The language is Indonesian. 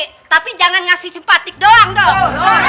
tapi jangan ngasih simpatik doang dong